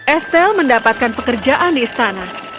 estel mendapatkan pekerjaan di istana